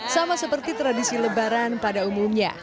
sama seperti tradisi lebaran pada umumnya